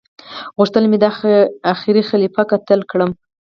غوښتل مي دا اخيري خليفه قتل کړم